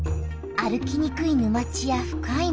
歩きにくい沼地や深い森